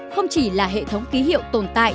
không chỉ là hệ thống ký hiệu tồn tại